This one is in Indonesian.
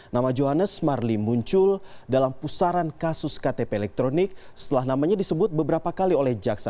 nama johannes marlim muncul dalam pusaran kasus ktp elektronik setelah namanya disebut beberapa kali oleh jaksa